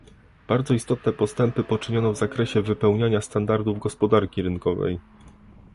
Bardzo istotne postępy poczyniono w zakresie wypełniania standardów gospodarki rynkowej